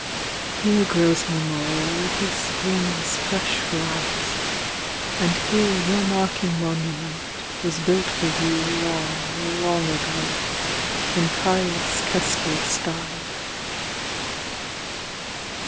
Here grows Memorial every spring s Fresh grass and here Your marking monument Was built for you long, long Ago when^aius Cestius died.